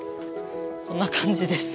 こんな感じです。